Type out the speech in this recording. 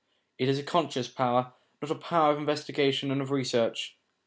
It is a conscious power, not a power of investigation and of research.